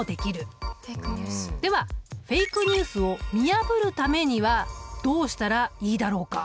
ではフェイクニュースを見破るためにはどうしたらいいだろうか？